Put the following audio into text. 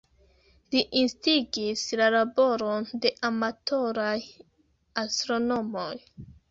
Li instigis la laboron de amatoraj astronomoj.